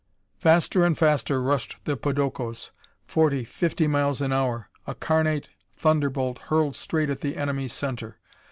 Faster and faster rushed the podokos, forty, fifty miles an hour, a carnate thunderbolt hurled straight at the enemy center.